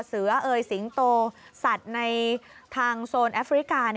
เสือเอ่ยสิงโตสัตว์ในทางโซนแอฟริกา